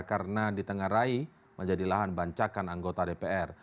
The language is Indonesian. karena ditengah rai menjadi lahan bancakan anggota dpr